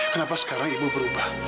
kenapa sekarang ibu berubah